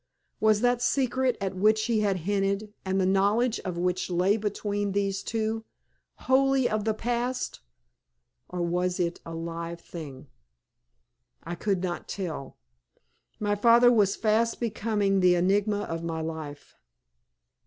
Was that secret at which he had hinted, and the knowledge of which lay between these two, wholly of the past, or was it a live thing? I could not tell. My father was fast becoming the enigma of my life.